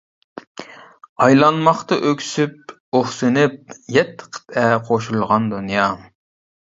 ئايلانماقتا ئۆكسۈپ، ئۇھسىنىپ، يەتتە قىتئە قوشۇلغان دۇنيا.